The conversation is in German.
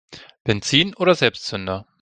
Benzin oder Selbstzünder?